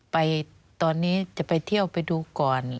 ไปตอนนี้จะไปเที่ยวไปดูก่อน